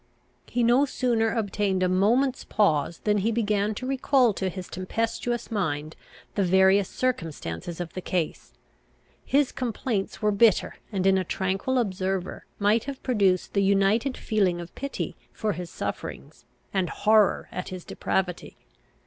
He no sooner obtained a moment's pause than he began to recall to his tempestuous mind the various circumstances of the case. His complaints were bitter; and, in a tranquil observer, might have produced the united feeling of pity for his sufferings, and horror at his depravity.